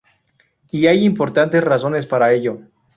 Y hay importantes razones para ello.